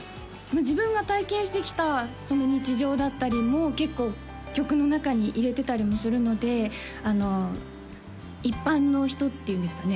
自分が体験してきたその日常だったりも結構曲の中に入れてたりもするので一般の人っていうんですかね